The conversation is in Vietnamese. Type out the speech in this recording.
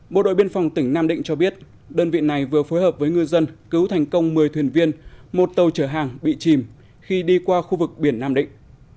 bộ đội biên phòng tỉnh nam định cho biết đơn vị này vừa phối hợp với ngư dân cứu thành công một mươi thuyền viên một tàu chở hàng bị chìm khi đi qua khu vực biển nam định